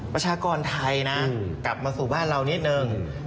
ประชากรไทยนะกลับมาสู่บ้านเรานิดนึง